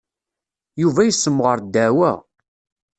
Yuba yessemɣer ddeɛwa.